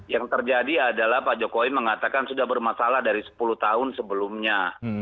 yang terjadi adalah pak jokowi mengatakan sudah bermasalah dari sepuluh tahun sebelumnya